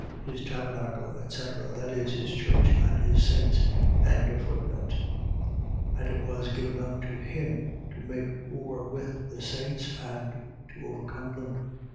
His tabernacle, etc. . .That is, his church and his saints. 13:7. And it was given unto him to make war with the saints and to overcome them.